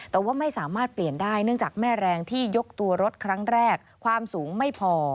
แต่ว่าไม่สามารถเปลี่ยนได้เนื่องจากแม่แรงที่ยกตัวรถครั้งแรกความสูงไม่พอ